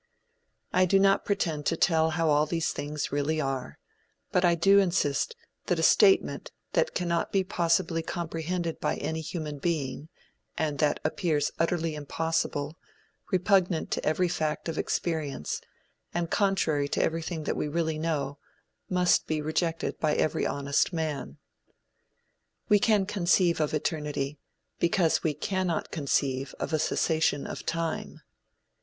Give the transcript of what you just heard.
I do not pretend to tell how all these things really are; but I do insist that a statement that cannot possibly be comprehended by any human being, and that appears utterly impossible, repugnant to every fact of experience, and contrary to everything that we really know, must be rejected by every honest man. We can conceive of eternity, because we cannot conceive of a cessation of time.